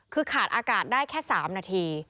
คือขาดอากาศได้แค่๓นาที